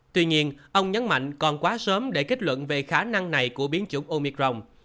tuy nhiên ông nhấn mạnh còn quá sớm để kết luận về khả năng này của biến chủng omicron